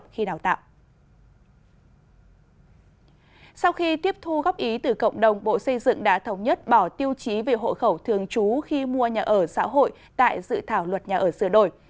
sau khi tiếp thu góp ý từ cộng đồng bộ xây dựng đã thống nhất bỏ tiêu chí về hộ khẩu thường trú khi mua nhà ở xã hội tại dự thảo luật nhà ở sửa đổi